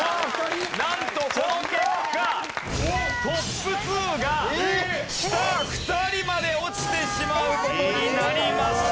なんとこの結果トップ２が下２人まで落ちてしまう事になりました。